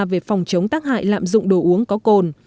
về phòng chống tác hại lạm dụng đồ uống có cồn